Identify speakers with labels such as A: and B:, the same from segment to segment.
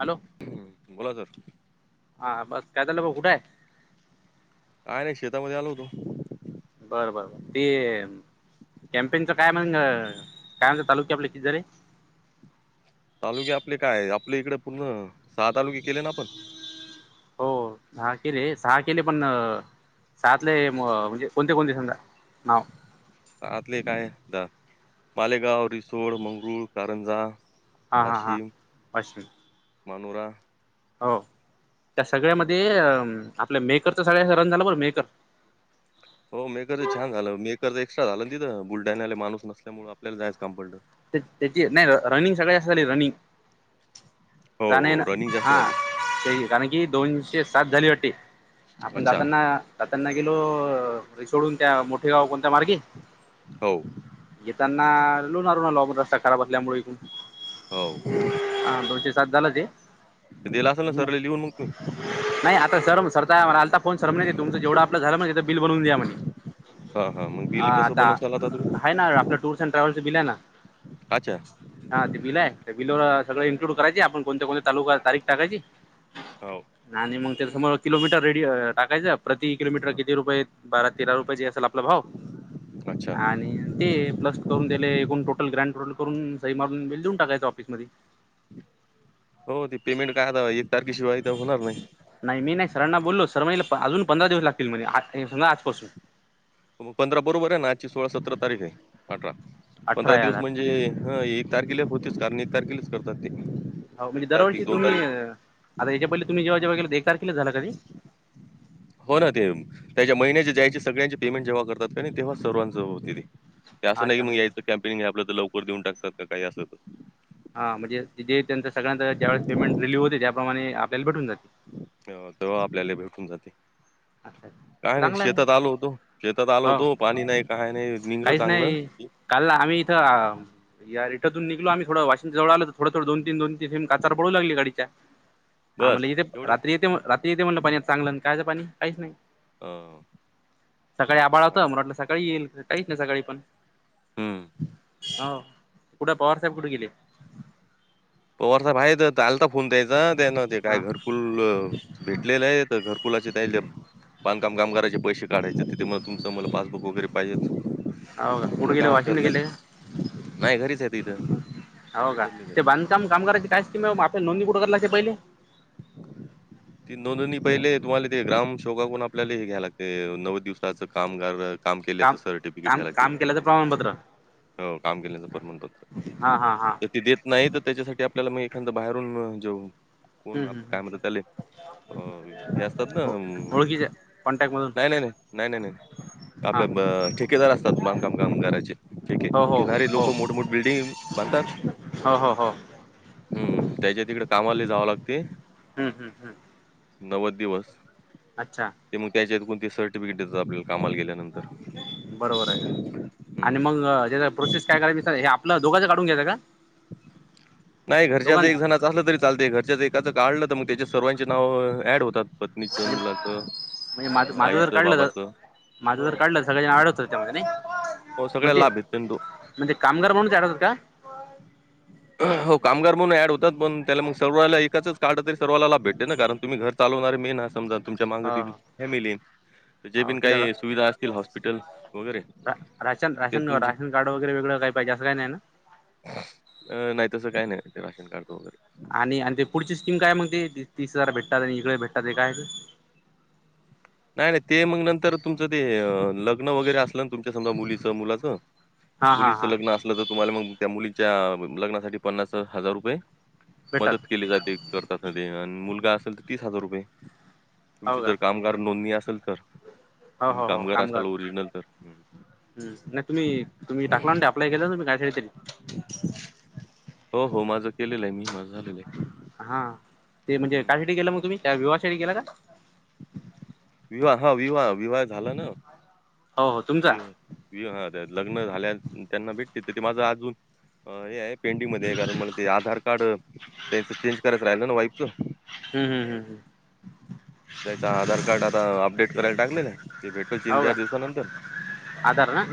A: Hello
B: बोला sir
A: हा बस काय चालल भाऊ. कुठे आहे?
B: काय नाही शेतामध्ये आलो होतो.
A: बर बर बर ते कॅम्पेनच काय म्हण काय तालुक्या आपला ति जरे
B: तालुके आपले काय. आपले इकडे पूर्ण सहा तालुके केले ना आपण.
A: हो हा कि रे सहा केले पण साहतले म्हणजे कोणते कोणते समजा नाव.
B: सहातले काय मालेगाव, रिसोड, मंगरूळ, कारंजा
A: हां हां हां
B: वाशीम,
A: अश्विन
B: मनुरा
A: हो त्या सगळ्यामध्ये अ आपल्या मेकरच सगळ्या रन झाला बर. मेकर
B: हो मेकर छान झाल मेकर तर एक्स्ट्रा झाल ना तिथ. बुलढाण्याले माणुस नसल्यामुळे आपल्याला जायच काम पडल.
A: त्या त्याची नाही रनिंग सगळ्या साली रनिंग
B: हो
A: जाण येन
B: हो रनिंग जास्त
A: हा
B: झाली
A: ते कारण की दोनशे सात झाली वाटते. आपण
B: अच्छा
A: जाताना जाताना गेलो रिसोडून त्या मोठे गाव कोणत्या मार्गे‌.
B: हो
A: येताना लोणारहुन आलो रस्ता खराब असल्यामुळे इकडुन.
B: हो
A: हा दोनशे सात झाल ते
B: दिल असेल ना सरले लिहून मग तु.
A: नाही आता सर सरताला आलता फोन सर तुमच जवढ आपल झाल ना म्हणे. त्याच बिल बनवून द्या म्हणे.
B: हा हा मग बिल कसं बनवताल आता तुम्ही.
A: हाय ना आपल्या टूल्स अड ट्रॅव्हस बिल आहे ना.
B: अच्छा.
A: हा ते बिल आहे त्या बिलवर सगळं इन्क्लुड करायची आपण कोणत कोण्यात्या तालुका तारीख टाकायची.
B: हो
A: आणि मग त्याच्या समोर किलोमीटर रेडी टाकायचं. प्रति किलोमीटर किती रुपये बारा तेरा रुपयेची असेल आपला भाव
B: अच्छा
A: आणि ते प्लस करून दिले कोण टोटल ग्रँड टोटल करून सई मारून बेल देऊन टाकायं ऑफिस मध्ये.
B: हो ते पेमेंट काय [unintelligible] एक तारखेशिवाय तर होणार नाही.
A: नाही मी नाही सरांना बोललो सर म्हणले अजून पंधरा दिवस लागतील म्हणे [unintelligible] आजपासून.
B: मग पंधरा बरोबर आहे ना आजची सोळा सतरा तारीख आहे. अठरा
A: अठरा
B: पंधरा
A: या
B: दिवस
A: हजार.
B: म्हणजे ह एक तारखेला होतीच कारण एक तारखेलाच करतात ते.
A: हो म्हणजे
B: तारीख,
A: दरवर्षा तुम्ही,
B: तारीख.
A: आता याच्या पहिले तुम्ही जेव्हा जेव्हा गेलं एक तारखेलाच झाला का ते.
B: हो ना ते, त्याच्या महिन्याचे द्यायचे सगळ्यांचे पेमेंट जेव्हा करतात का नाही तेव्हा सर्वांच होत गेले. ते असं नाही
A: अच्छा
B: की मग
A: म्हणजे
B: यायचं कॅम्पनिंग हे आपल्या इथं लवकर देऊन टाकतात का काही असं.
A: हा म्हणजे जे त्यांच सगळ्यांं ज्या वेळेस पेमेंट रिलीव्ह होते त्याप्रमाणे आपल्याला भेटून जात.
B: त तेव्हा आपल्याला भेटून जाते.
A: अच्छा
B: काय नाही
A: चांगलं आहे
B: शेतात
A: ना
B: आलो होतो शेतात आलो
A: हो
B: होतो पाणी नाही काय नाही निघलं
A: काहीच
B: चांगलं.
A: नाही काल आम्ही इथं या रिटातुन निघलो आम्ही थोड वाशीम जवळ आलो थोड थोड दोन तीन दोन तीन थेंब काचार पडू लागले गाडीत त्या. आम्हला
B: बस
A: इथे
B: एवढेच.
A: रात्री येते रात्री येते म्हणलं पाणी चांगलं कायचं पाणी काहीच नाही.
B: अ,
A: सकाळी आभाळ आलत
B: नाही.
A: म्हटलं सकाळी येईल काहीच नाही सकाळी पण.
B: हम्.
A: आव, कुठं पवारसाहेब कुठे गेले?
B: पवार साहेब आहेत आलता फोन त्याच तेन
A: हा.
B: काय घरकुल भेट लेले आहेत घरकुलाचे त्यालम, बांधकाम काम करायचे पैसे काढायचे. ते मग तुमचं मला बांधून वगैरे पाहिजेत.
A: हो का कुठे
B: तिला
A: गेले
B: काय हरकत
A: वाशिमला गेले
B: नाहीत, नाही घरीच आहे तिथं.
A: हो का?
B: रिटर्नलेच आहे.
A: ते बांधकाम कामगारांचे काय स्कीम आहे ओ म आपण नोंदी कुठं कराले लागते पहिले. [inaudible]
B: ती नोंदणी पहिले तुम्हाला ते ग्राम शोभाकून आपल्याला हे घ्यायला लागतय नऊ दिवसाचं कामगार काम केल्याचं सर्टिफिकेट
A: काम
B: घ्यायला लागतय.
A: काम केल्याचं प्रमाणपत्र
B: हो काम केल्याचं प्रमाणपत्र,
A: हा हा हा
B: तर ते देत नाहीत. त्याच्यासाठी आपल्याला मग एखादा बाहेरून जो कोण
A: हम्म
B: काय
A: हम्म
B: म्हणतात तले. होय हे असतात ना,
A: हो ओळखीच्या कॉन्टॅक्ट मधून
B: नाही नाही नाही नाही नाही.
A: हा
B: आपल्या ठेकेदार असतात बांधकाम कामगाराचे, ठेके
A: हो हो
B: घेणारे लोक मोठमोठे बिल्डिंग म्हणतात.
A: हा हा हा.
B: हम्म, त्याज्या तिकडे कामाले जावं लागते.
A: हम् हम्म हम.
B: नव्वद दिवस.
A: अच्छा.
B: ते मग त्याच्यात कोणते सर्टिफिकेट देतात आपल्या कामाला गेलं.
A: बरोबर आहे. आणि
B: हम्म.
A: मग त्याचा प्रोसेस काय करायच मी सर हे आपलं दोघांचं काढून घ्यायचं का?
B: नाही घरच्याच
A: दोघांच
B: एक जणा झालं तरी चालते घरच्याच एकाचं काढलं तर मग त्याच्यात सर्वांचे नाव ऍड होतात. पत्नीच,
A: म्हणजे
B: मुलाचं,
A: म्हणजे माझं
B: आईच,
A: जर काढलं
B: बाबाच.
A: माझं तर काढलं सगळे ॲड होतात त्यामध्ये नई.
B: हो सगळ्या लाभ भे. [unintelligible]
A: म्हणजे कामगार म्हणून काढायचं का?
B: हो कामगार म्हणून ॲड होतात पण त्याला मग सर्वला एकाच काढलं तरी सर्वाला लाभ भेटते ना कारण तुम्ही घर चालवणारे मेन हा समजा तुमच्या माग
A: हो
B: फॅमिली तर जे
A: हो हो
B: बिन
A: त्याला
B: काही सुविधा असतील हॉस्पिटल वगैरे
A: राशन
B: ते
A: राशन
B: तुमच्या
A: राशन कार्ड वगैरे वेगळं काही पाहिजे असं काही नाही ना
B: अ नाही तसं काही नाही राशन कार्ड वगैरे
A: आणि ते पुढची स्कीम काय मग ते तीस हजार भेटतात आणि इकडे भेटतात ते काय? [inaudible]
B: नाही नाही ते मग नंतर तुमचं ते लग्न वगैरे असलं ना तुमच्या समजा मुलीचं मुलाचं
A: हा हा
B: मुलीचं
A: हा
B: लग्न असलं तर तुम्हाला मग त्या मुलीच्या लग्नासाठी पन्नास हजार रुपये
A: भेटतात
B: मदत केली जाते. करतात मुलगा असेल तर तीस हजार रुपये
A: हो
B: तुमची
A: का?
B: जर काम नोंदणी असेल तर
A: हो
B: तुम्ही
A: हो हो
B: कामगार असाल ओरिजिनल तर
A: हम्म नाही तुम्ही तुम्ही टाकला ना अप्लाय केला तुम्ही ग्रॅज्युएशनसाठी
B: हो हो माझं केलेलं आहे मी माझं झालेलं आहे
A: हा ते म्हणजे
B: हं.
A: कशासाठी केल मग तुम्ही त्या विवाहासाठी केला का
B: विवाह हा विवाह विवाह झाला ना
A: हो हो तुमचा
B: विवा लग्न झाल्या त्यांना भेटते तर ते माझं अजून हे आहे पेंडिंग मध्ये आहे कारण मला ते आधार कार्ड त्यांच चेंज करायचं राहिल ना वाईफच
A: हम्म हम्म हम्म हम्म
B: त्याचा आधार कार्ड आता अपडेट करायला टाकलेला आहे ते भेटेल तीन
A: हो
B: चार
A: का
B: दिवसानंतर
A: आधार ना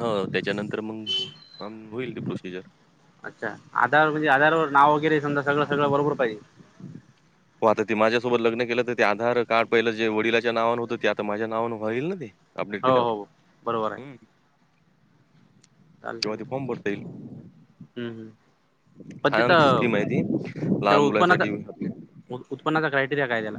B: हो त्याच्यानंतर मग होईल ते प्रोसिजर
A: अच्छा आधार म्हणजे आधारवर नाव वगैरे समजा सगळं सगळं बरोबर पाहिजे
B: हो आता ते माझ्यासोबत लग्न केलं तर ते आधार कार्ड पहिलं जे वडिलांच्या नावांवर होतं ते आता माझ्या नावांवर होईल ना ते अपडेट
A: हो
B: केल्यावर
A: हो बरोबर आहे
B: हम्म
A: चालते
B: तेव्हा
A: ना
B: ते फॉर्म भरता येईल.
A: हम्म हम्म पण
B: छान
A: तिथं
B: स्कीम आहे ती लहान
A: त्याला उत्पन्नाचा
B: मुलांसाठी
A: उत्पन्नाचा क्रायटेरिया काय त्याला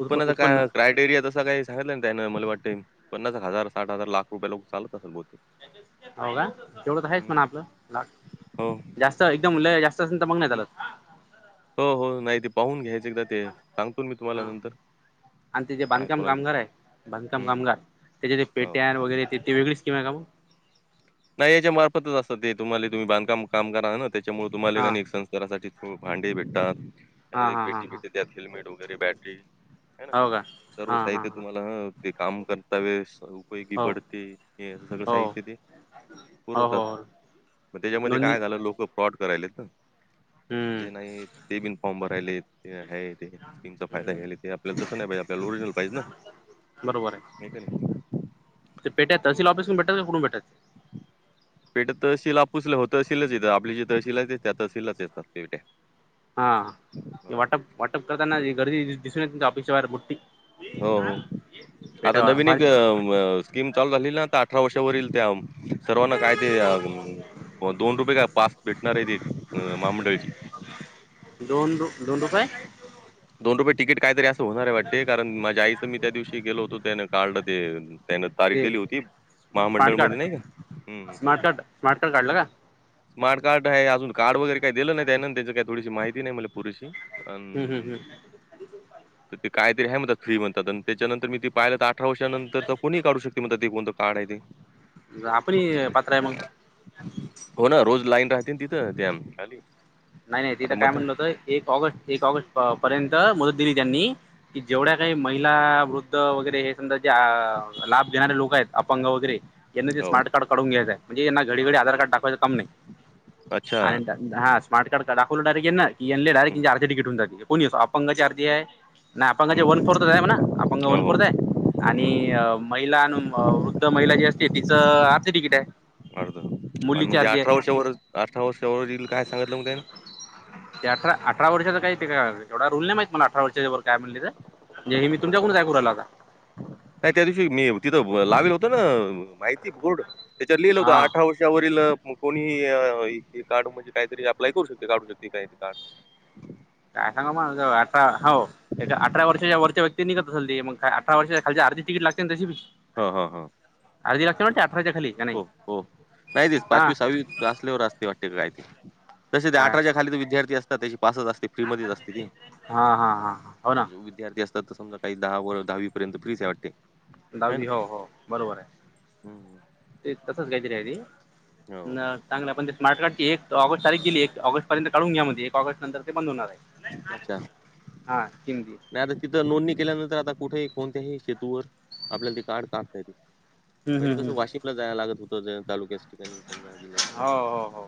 A: उत्प उत्पन्न
B: काय क्राय टेरिया तसा काही सांगितलंय त्या मला वाटते पन्नास हजार साठ हजार लाख रुपया लोक चालत असेल बोलते
A: हो का तेेवढच आहेच पण आपलं म्हणा
B: हो
A: जास्त एकदम लय जास्त तर मग नाही चालत
B: हो हो नाही ते पाहून घ्यायचं एकदा ते सांगतो मी तुम्हाला
A: हा
B: नंतर
A: आणि ते जे
B: काय
A: बांधकाम
B: कोणाला
A: कामगार आहे बांधकाम
B: हम्म
A: कामगार त्याच्या ते
B: हो.
A: पेट्या वगैरे ते ते वेगळी स्कीम आहे का ओ
B: नाही याच्या मार्फतच असतात ते तुम्हाला तुम्ही बांधकाम काम आहे ना त्याच्यामुळे तुम्हाला
A: हा
B: घरासाठी भांडे भेटतात त्यांना
A: हा
B: एक
A: हा हा
B: पेटी भेटते त्यात हेल्मेट वगैरे बॅटरी ह ना
A: हा हो का
B: सर्व
A: हा हा
B: साहित्य
A: हा
B: तुम्हाला ह ते काम करता वेळेस उपयोगी
A: हो
B: पडते हे सगळं
A: हो
B: साहित्य ते भरपूर
A: हो
B: होतात
A: हो
B: मग त्याच्यामध्ये
A: नोंदणी
B: काय झालं लोक फ्रॉड करालेत ना
A: हम्म
B: जे नाहीत ते बिन फॉर्म भरालेत ते आहे ते स्कीमचा फायदा घ्याल्यात
A: हम्म
B: ते आपल्याला तसं नाही पाहिजे आपल्याला ओरिजनल पाहिजे ना
A: बरोबर आहे
B: नाही का
A: तेे पेट्या तहसील
B: हम्म.
A: ऑफिस मधून भेटतात का कुठून भेटतात
B: पेट्या तहसील आपुसलं हो तहशीलाच येतात आपली जी तहसील आहे त्या तहसीलाच येतात पेट्या
A: हा
B: हो
A: वाटप वाटप करताना गर्दी दिसून येत ऑफिस च्या बाहेर बुट्टी मी
B: हो हो
A: काल
B: आता
A: पेट्या
B: [unintelligible] स्कीम चालू झाली ना आता अठरा वर्षावरील त्या सर्वांना काय ते हो दोन रुपये का पाच भेटणार आहे ते एक महामंडळाची
A: दोन दोनडु काय
B: दोन रुपये तिकीट काय तरी असं होणार आहे वाटते कारण माझ्या आईचं मी त्या दिवशी गेलो होतो त्यान काढलं ते त्यान तारीख
A: ते
B: दिली होती महामंडळ
A: स्मार्ट कार्ड
B: मध्ये नाही का
A: स्मार्ट
B: हम्म
A: कार्ड स्मार्ट कार्ड काढलं का?
B: स्मार्ट कार्ड आहे अजून कार्ड वगैरे काही दिलं नाही त्या ना त्यांच काही थोडीशी माहिती नाही मला पुरेशी
A: हम् हम
B: अन्
A: हम्
B: तर ते काहीतरी आहे म फ्री म्हणतात आणि त्याच्यानंतर मी ते पाहिलं तर आठ अठरा वर्षानंतर तर कोणी काढू शकते म ते कोणत काढ आहे ते
A: आपण पात्र आहे मग
B: हो ना रोज लाईन राहते तिथं त्या खाली
A: नाही नाही
B: आता
A: तिथं काय
B: मत
A: म्हणलं होत एक ऑगस्ट एक ऑगस्ट पर्यंत मदत दिली त्यांनी की जेवढ्या
B: अच्छा.
A: काय महि ला वृद्ध वगैरे हे समजा जे लाभ देणारे लोक आहेत अपंग वगैरे
B: हं.
A: यांना ते
B: हो.
A: स्मार्ट कार्ड काढून घ्यायचंय म्हणजे यांना घडी घडी आधार कार्ड दाखवायच काम नाही
B: अच्छा.
A: आणि हा स्मार्ट कार्ड का दाखवलं डायरेक्ट ना
B: हं,
A: डायरेक्ट अर्ध तिकीट होऊन जाते कोणीही असो अपंग अर्ध आहे. नाही अपंगाचे
B: हं.
A: वन फोर्थच आहे म्हणा अपंगाचे
B: हो,
A: वन
B: हो.
A: फोर्थ आहे. आणि
B: हं.
A: महिला आणि वृद्ध महिला जी असते तिचं आर्ध तिकीट आहे.
B: अन्
A: मुलीची
B: मग हे
A: अर्धी
B: अठरा
A: आहे
B: अठरा वर्ष वरील काय सांगितलं मग त्यान
A: ते अठरा अठरा वर्षाच काही ते का एवढा रुल नाही माहित मला अठरा वर्षाच्या वर काय म्हणली तर हे मी
B: हो का?
A: तुमच्याकडूनच ऐकू राहिलो आत्ता
B: नाही त्या दिवशी मी तिथं लावेल होत ना माहिती बोर्ड त्याच्यावर लिहिलं होत
A: हा
B: अठरा वर्ष त्याच्यावरील कोणीही हे कार्ड म्हणजे काहीतरी अप्लाय करू शकते काढू शकते काहीतरी कार्ड
A: [inaudible] काय सांगा मग अठरा हो अठरा वर्षाच्या वरच्या व्यक्ती निघत असेल त मग वर्षा खालचे अर्ध्ये तिकीट ना तशी
B: हा हा हा
A: अर्धी लागते ना अठराच्या खाली का नाही
B: हो हो नाही तेच
A: हा
B: पाचवी सहावी असल्यावर असते वाटते का काय ते तसे ते
A: काय
B: अठराच्या खालील जे विद्यार्थी असतात त्याचे पासच असते फ्रीमध्येच असते ते
A: हा हा हा हो ना
B: विद्यार्थी असतात तर समजा काही दहा व दहावी पर्यंत फ्री च आहे वाटत
A: दहावी हो हो बरोबर आहे
B: हं, हं.
A: ते तसच काहीतरी आहे ते
B: हो.
A: ना चांगलं पण ते स्मार्ट कार्ड ची एक ऑगस्ट तारीख दिलीये एक ऑगस्ट पर्यंत काढून घ्या मग ते एक ऑगस्ट नंतर ते बंद होणार आहे.
B: अच्छा
A: हां स्कीम ती
B: नाही आता तिथं नोंदणी केल्यानंतर आता कुठेही कोणत्याही शेतूवर आपल्याला ते कार्ड काढता येते.
A: हम्म
B: पहिले
A: हम्म
B: कसं
A: हम्म
B: वाशिपला जायला लागत होतं तालुक्याच ठिकाणी
A: हो हो हो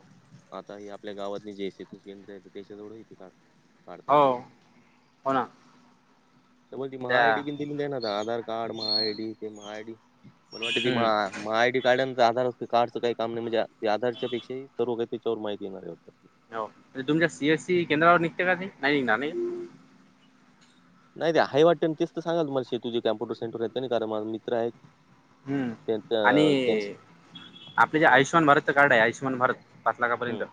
B: मग आता हे आपल्या गावातील जे सेतू केंद्र आहे त्याच्याजवळ येते का काढते
A: हो हो ना
B: मी तर बोलती
A: त्या
B: महाआयडी बि दिली नाही ना आधार कार्ड महाआयडी ते महाआयडी मन वाटते ती
A: हम्म
B: महा महा आय डी कार्डाच आधार असत कार्डच काही काम नाही म्हणजे ते आधारच्या पेक्षाही सर्व काही त्याच्यावर माहिती देणार होते.
A: हो नाही तुमच्या सीएस सी केंद्रावर निघते का ते नाही निघणार नाही
B: नाही ते आहे वाटे ते तर सांगाल मला शे तुझे कम्प्युटर सेंटर आहे नाही कारण माझ मित्र आहेत.
A: हम्म
B: त्यांच
A: आणि
B: त्यांच
A: आपले जे
B: हं
A: आयुषमान भारतचं कार्ड आहे आयुषमान भारत पाच लाखापर्यंत
B: हं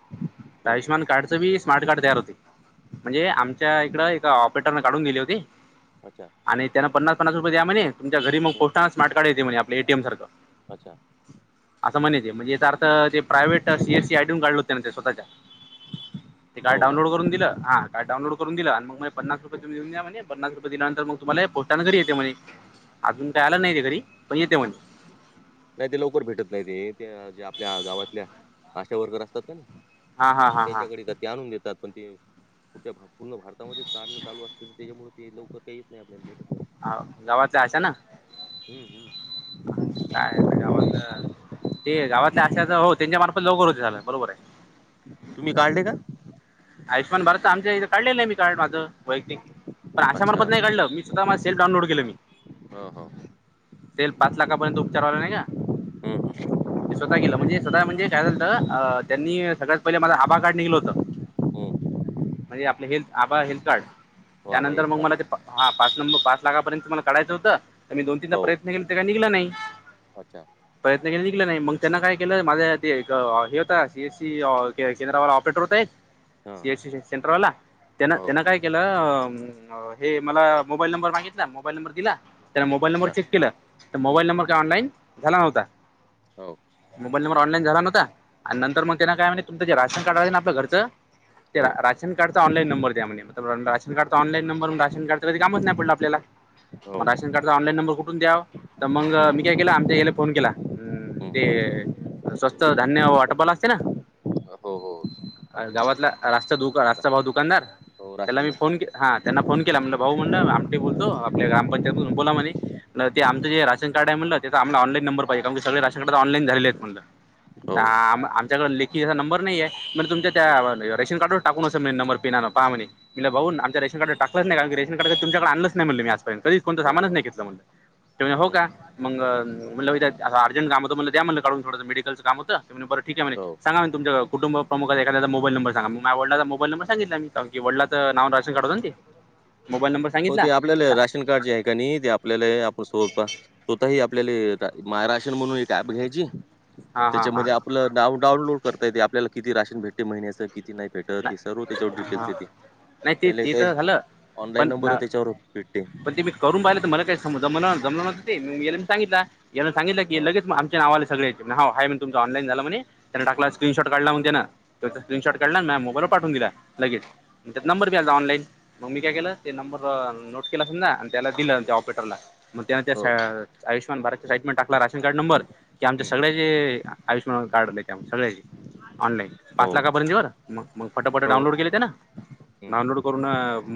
A: तर
B: हं हं
A: आयुष्यमान कार्डचं बी स्मार्ट कार्ड तयार होते म्हणजे आमच्या इकड एका ऑपरेटरने काढून दिली होती.
B: अच्छा
A: आणि त्यांना पन्नास पन्नास रुपये दया म्हणे तुमच्या घरी मग पोस्टाने स्मार्ट कार्ड येते म्हणे आपल्या एटीएम सारखं
B: अच्छा
A: असं म्हणे म्हणजे याचा अर्थ ते प्रायव्हेट सीएसी आयडी काडून काढल होते ते स्वतःच्या ते कार्ड
B: हो का?
A: डाउनलोड करून दिलं हा. कार्ड डाऊनलोड
B: हं.
A: करून दिला आणि मग पन्नास रुपये तुम्ही देऊन द्या म्हणे पन्नास रुपये दिल्यानंतर मग तुम्हाला पोस्टाने घरी येते म्हणे. अजून काय आला नाही ते घरी पण येते म्हणजे
B: नाही ते लवकर भेटत नाही ते ते जे आपल्या गावातल्या आशा वर्कर असतात का नाही.
A: हा हा हा हा
B: त्याच्याकडे ते आणून देतात पण ते कुठे भा. पूर्ण भारतामध्येच कारणं चालू असतील तर त्याच्यामुळे ते लवकर काही येत नाही आपल्या भेटत.
A: ह गावच अशा ना
B: नाही. हं, हं.
A: काय? गावातलं ते गावातल्या असशाचं हो त्यांच्या मार्फत लवकर होती झालं बरोबर आहे.
B: तुम्ही काढले का?
A: आयुषमान भारत आच्या इथे काढलेलं आहे मी कार् माझं. वैयक्तिक पण
B: अच्छा.
A: अशामार्फत नाही काढलं मी स्वतः मला सेल्फ डाउनलोड केलं मी
B: हां, हां.
A: सेल पाच लाखापर्यंत उपचार झाला नाही का?
B: हं,
A: ते स्वतः केलं म्हणजे स्वतः म्हणजे काय झालं त्यांनी सगळ्यात पहिले माझा आभा कार्ड निघलं होतं.
B: हम्.
A: म्हणजे आपले हेल्थ आभ हेल्थ कार्ड
B: वाह!
A: त्यानंतर मग
B: येतात.
A: मला ते हा पाच नंबर पाच लाखापर्यंत तुम्हाला काढायचं होतं तर मी दोन तीनदा
B: हो.
A: प्रयत्न के ते काय निघलं नाही.
B: अच्छा.
A: प्रयत्न केलेलं नाही मग त्यांना काय केलं माझ्या हे होता सी एसी केंद्रावाला ऑपरेटर होत आहेत.
B: हां.
A: स सेंटरवाला
B: हो.
A: त्यांना काय? केलं हे मला मोबाईल नंबर मागितला मोबाईल नंबर दिला. त्याने मोबाईल नंबर
B: अच्छा.
A: चेक केला तर मोबाईल
B: हं.
A: नंबर का ऑनलाईन झाला नव्हता.
B: हो.
A: मोबाल नंबर ऑलान झाला न्हता आणि नंतर मग त्यांना काय म्ह तुमचचे राशन कार्ड आहे ना आपल्यारचं. ते
B: हो,
A: राशन कार्डचा ऑनलाईन नंबर त्या म्ह राशन कार्चा ऑलाईन नंबरणून रान कार्डच कधी कामच नाही पडलं आपल्याला
B: हो.
A: मग राशन कार्डचा ऑनलाईन नंबर कुठून द्याव तर मग
B: हं,
A: मी काय केला आमच्या याला फोन केला. ह्
B: हं.
A: ते स्वस्त धान्य वाटपाला असते ना.
B: हो, हो.
A: अ
B: आपले ते राशनवाले.
A: गावातला दुका रास्ता भाऊ दुकानदार
B: हो,
A: त्याला
B: राशन,
A: मी फोन
B: राशनवाले.
A: के हा त्यांना फोन केला म्हणलं भाऊ म्हणडं आमटे बोलतो आपल्या ग्रामपंचायतून बोला म्ह मणे तेमचंे राशन कार्ड आहेणलं त्याच आमला ऑलाईन नंर पाहिजे कार सग. ऑनलाईन झाले म्हण
B: हो.
A: आमच्याकड लेखीचा नंबर नाही आहे. म्हणजे तुमच्या
B: हं.
A: त्या रेशन कार्डवर टाकून असेलण नंबर पिनं पहा म्हणे. मला बघऊ आमच्या रेन कार्ड टकलंच नाही कारी रेन कार्ड तमच्याक आणलंच नाहीण मीजपयंत की कोणतं
B: हां,
A: सामानच
B: हां.
A: नाही घेतलं म्हण म्हणजे हो का?
B: हं.
A: मग म्हलं असं अर्जंट काम होतंलं त्या म्हणलं काढून थोडं मेडिकलचं कामतं. बं ठीक आहे
B: हो.
A: सांा म तुमच्याुं प्रमुखात एादा मोबाई नंबर मगडलाचा मोबाई नंर सांगितलाीडं नाव राशन कार्ड हो ते मोई नंर
B: हो ते आपल्याला राशन कार्ड जे आहे का नाही ते आपल्याला आपण स्वरूप. स्वतःही आपल्याला महाराष्ट्र म्हणून एक ऍप घ्यायची.
A: हां हां हां
B: त्याच्यामध्ये आपलं डाउनलोड करता येते आपल्याला किती राशन भेटते महिन्याचं किती नाही भेटते. सर्व
A: नाही हां
B: त्याच्या िटेल्स
A: नाही ते ते
B: त्या
A: तर झालं
B: ऑनलाईन नंबर
A: पण
B: रट.
A: पण ते मी करून पाहिलं तर मला काही जम जमव मी सांगितला या सांित क
B: हां.
A: लेच सगळेाय म तुम ऑनलाईन झालं म्हणे त्या टाकला
B: हं.
A: स्क्रीनशॉट काढला म त्याना तो स्क्रीनशॉट
B: अच्छा,
A: काढला म मोबाईलवर पाठून दिला लगेच त्यात
B: अच्छा.
A: नंर्यायता ऑनलाईन मग मी काय
B: हं.
A: केलं. ते नंबर नोट केला समजा आणि त्याला दिलं त्या ऑपरेटरला मग त्या
B: हो.
A: त्या. आयुषमान भार साटमेटाकला राशन कार्ड नंर की आमच्या
B: हं.
A: सगळ्याचे आयुष्यमान कार्डले ते सगळ्याचे. ऑनलाईन
B: हो,
A: पाच लाखापर्यंतऊ मग मग फटाफट
B: हो.
A: डाउनलोड केले ते ना
B: हं.
A: डाऊनलोड करून.